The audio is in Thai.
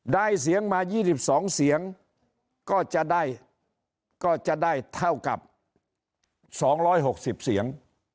ได้เสียงมา๒๒เสียงก็จะได้เท่ากับ๒๖๐เสียง